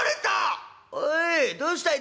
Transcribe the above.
「おいどうしたい」。